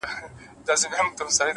پوه انسان د پوښتنې ارزښت پېژني’